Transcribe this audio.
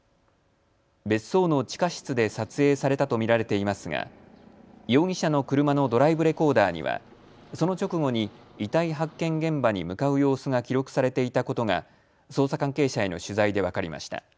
別荘の地下室で撮影されたと見られていますが容疑者の車のドライブレコーダーにはその直後に遺体発見現場に向かう様子が記録されていたことが捜査関係者への取材で分かりました。